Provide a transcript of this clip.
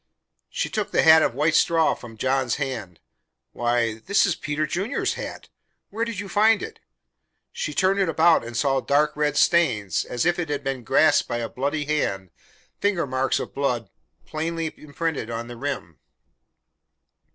She took the hat of white straw from John's hand. "Why! This is Peter Junior's hat! Where did you find it?" She turned it about and saw dark red stains, as if it had been grasped by a bloody hand finger marks of blood plainly imprinted on the rim.